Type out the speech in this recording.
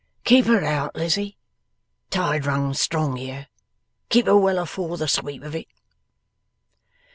'Keep her out, Lizzie. Tide runs strong here. Keep her well afore the sweep of it.